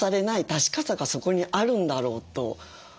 確かさがそこにあるんだろうという。